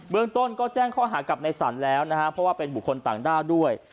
เมืองต้นก็แจ้งข้อหากับในสรรแล้วนะฮะเพราะว่าเป็นบุคคลต่างด้าวด้วย